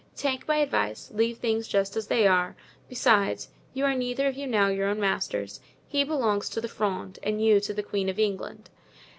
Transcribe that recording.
Take my advice, leave things just as they are; besides, you are neither of you now your own masters; he belongs to the Fronde and you to the queen of England.